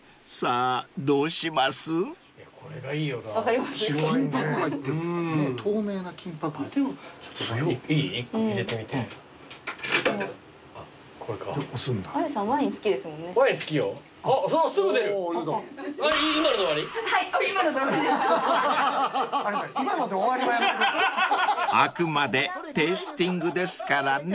［あくまでテイスティングですからね］